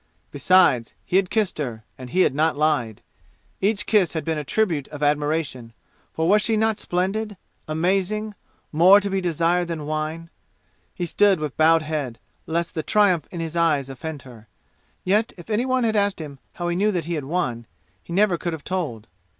Besides, he had kissed her, and he had not lied. Each kiss had been a tribute of admiration, for was she not splendid amazing more to be desired than wine? He stood with bowed head, lest the triumph in his eyes offend her. Yet if any one had asked him how he knew that he had won, he never could have told.